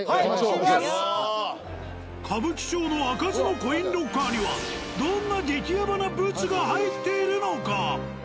歌舞伎町の開かずのコインロッカーにはどんな激ヤバなブツが入っているのか。